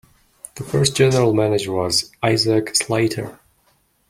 The first General Manager was Isaac Slater.